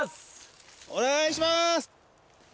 お願いします！